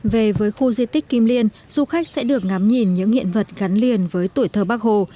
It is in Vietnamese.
về với khu di tích kim liên du khách sẽ được ngắm nhìn những hiện vật gắn liền với tuổi thơ bắc hồ